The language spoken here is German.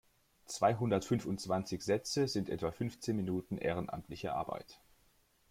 Zweihundertfünfundzwanzig Sätze sind etwa fünfzehn Minuten ehrenamtliche Arbeit.